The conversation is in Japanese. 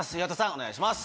お願いします。